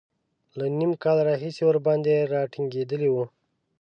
له نیم کال راهیسې ورباندې را ټینګېدلی و.